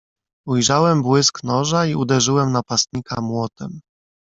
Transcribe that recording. "Ujrzałem błysk noża i uderzyłem napastnika młotem."